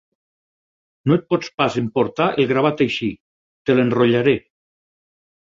No et pots pas emportar el gravat així; te l'enrotllaré.